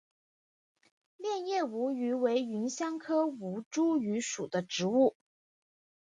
楝叶吴萸为芸香科吴茱萸属的植物。